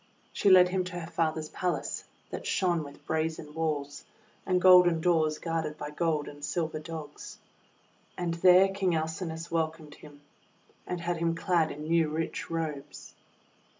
She led him to her father's palace, that shone with brazen walls, and golden doors guarded by gold and silver Dogs. And there King Alcinous welcomed him, and had him clad in new rich robes.